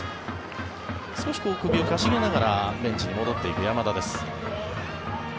少し首を傾げながらベンチに戻っていく山田です。